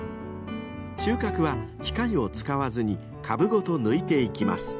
［収穫は機械を使わずに株ごと抜いていきます］